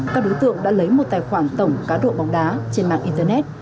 các đối tượng đã lấy một tài khoản tổng cá độ bóng đá trên mạng internet